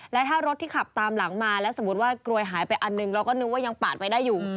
และถ้ารถที่ขับตามหลังมาแล้วสมมุติว่ากลวยหายไปอันหนึ่งเราก็นึกว่ายังปาดไว้ได้อยู่